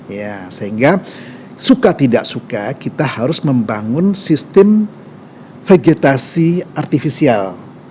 ya sehingga suka tidak suka kita harus membangun sistem vegetasi artifisial